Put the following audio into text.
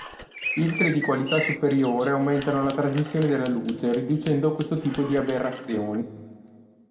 Filtri di qualità superiore aumentano la trasmissione della luce, riducendo questo tipo di aberrazioni.